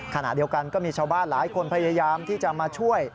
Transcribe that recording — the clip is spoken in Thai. ขณะเดียวกันก็มีชาวบ้านหลายคนพยายามที่จะมาช่วย